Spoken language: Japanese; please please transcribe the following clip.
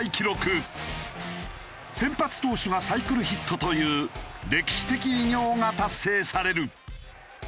先発投手がサイクルヒットという歴史的偉業が達成される。